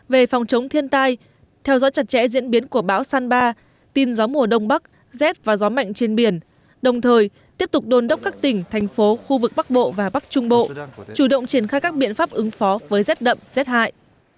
về phòng chống thiên tai theo dõi chặt chẽ diễn biến của bão san ba tin gió mùa đông bắc rét và gió mạnh trên biển đồng thời tiếp tục đôn đốc các tỉnh thành phố khu vực bắc bộ và bắc trung bộ chủ động triển khai các biện pháp ứng phó với rét đậm rét hại